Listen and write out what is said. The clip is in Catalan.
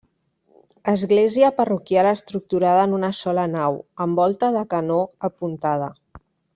Església parroquial estructurada en una sola nau, amb volta de canó apuntada.